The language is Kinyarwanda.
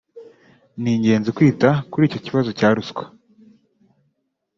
ni ingenzi kwita kuri icyo kibazo cya ruswa